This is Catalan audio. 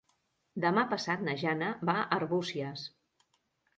Demà passat na Jana va a Arbúcies.